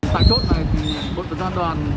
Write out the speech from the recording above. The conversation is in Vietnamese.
tại chốt này một thời gian đoàn